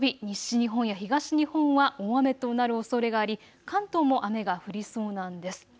日本や東日本は大雨となるおそれがあり関東も雨が降りそうなんです。